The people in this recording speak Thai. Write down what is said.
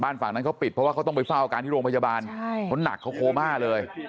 บ้านฝั่งนั้นเขาปิดเพราะว่าเขาต้องไปเฝ้าอาการที่โรงพยาบาล